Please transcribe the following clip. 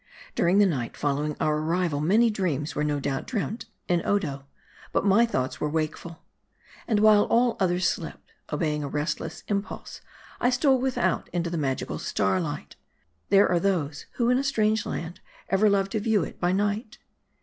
DURING the night following our arrival, many dreams were no doubt dreamt in Odo. But my thoughts were wakeful. And while all others slept, obeying a restless impulse, I stole without into the magical starlight. There are those who in a strange land ever love to view it by night.